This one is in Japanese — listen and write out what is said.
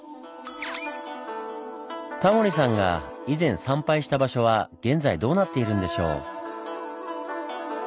タモリさんが以前参拝した場所は現在どうなっているんでしょう。